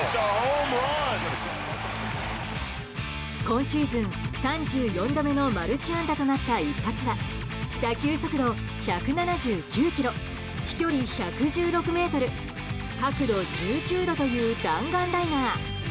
今シーズン３４度目のマルチ安打となった一発は打球速度１７９キロ飛距離１１６ｍ角度１９度という弾丸ライナー。